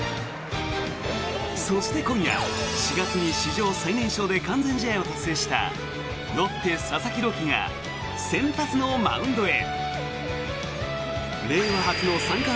そして今夜４月に史上最年少で完全試合を達成したロッテ、佐々木朗希が先発のマウンドへ。